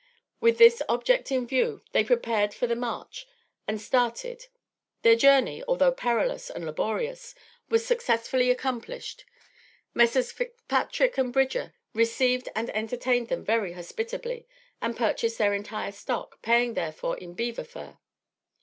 With this object in view, they prepared for the march and started. Their journey, although perilous and laborious, was successfully accomplished. Messrs. Fitzpatrick and Bridger received and entertained them very hospitably, and purchased their entire stock, paying therefor in beaver fur.